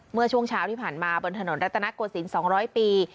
เมื่อช่วงเช้าที่ผ่านมาบนถนนรัตนโกศิลป๒๐๐ปี